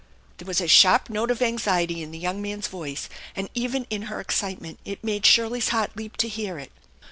There was a sharp note of anxiety in the young man'a voice, and even in her excitement it made Shirley's heart leap to hear it.